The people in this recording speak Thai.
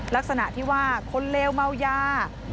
ลักษณะที่ว่าคนเลวเมายา